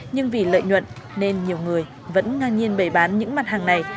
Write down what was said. nhưng vì lợi nhuận nên nhiều người vẫn ngang nhiên bày bán những mặt hàng này